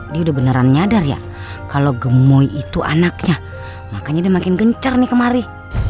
dia udah beneran nyadar ya kalau gemui itu anaknya makanya dia makin gencar nih kemari